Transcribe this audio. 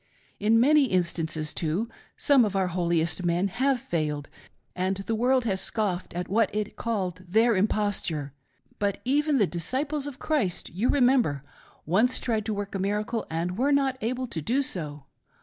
In many instances, too, some of our holiest men have failed, and the world has scoffed at what it called their imposture. But even the disciples of Christ, you remember, once tried to work a miracle, and were not able to do so.